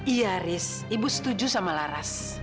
iya riz ibu setuju sama laras